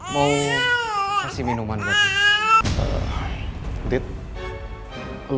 mau kasih minuman buat lo